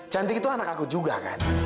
cantik itu anak aku juga kan